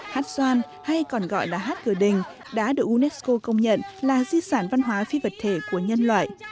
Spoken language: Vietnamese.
hát xoan hay còn gọi là hát cửa đình đã được unesco công nhận là di sản văn hóa phi vật thể của nhân loại